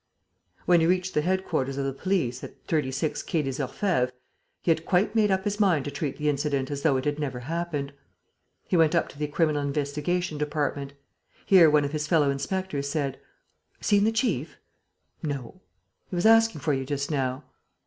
When he reached the headquarters of police, at 36 Quai des Orfèvres, he had quite made up his mind to treat the incident as though it had never happened. He went up to the Criminal Investigation Department. Here, one of his fellow inspectors said: "Seen the chief?" "No." "He was asking for you just now."